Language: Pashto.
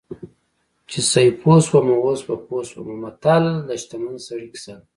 چې سیپو شومه اوس په پوه شومه متل د شتمن سړي کیسه ده